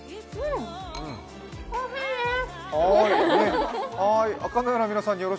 おいしいです。